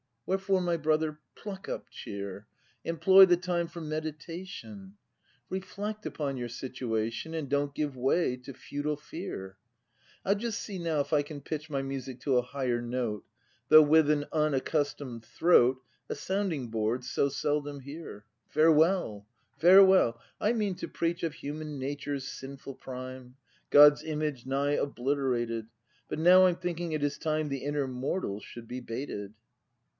Wherefore, my brother, — pluck up cheer! Employ the time for meditation; Reflect upon your situation. And don't give way to futile fear! I'll see just now if I can pitch My music to a higher note; Though with an unaccustom'd throat, A sounding board's so seldom here. Farewell, farewell! I mean to preach Of human nature's sinful prime, God's image nigh obliterated. — But now I'm thinking it is time The inner mortal should be baited.